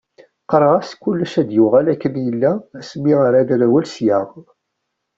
Qqareɣ-as kullec ad yuɣal akken yella asmi ara nerwel sya.